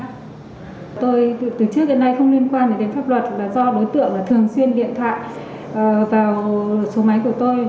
tôi từ trước đến nay không liên quan đến pháp luật là do đối tượng thường xuyên điện thoại vào số máy của tôi